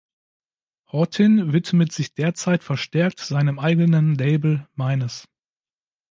Hawtin widmet sich derzeit verstärkt seinem eigenen Label Minus.